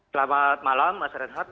selamat malam mas red heart